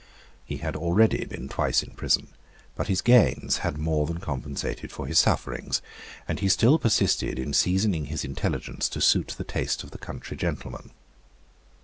He had already been twice in prison; but his gains had more than compensated for his sufferings, and he still persisted in seasoning his intelligence to suit the taste of the country gentlemen.